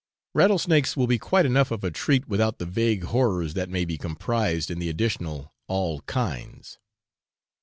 Rattlesnakes will be quite enough of a treat, without the vague horrors that may be comprised in the additional 'all kinds.'